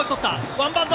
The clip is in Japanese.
ワンバウンド。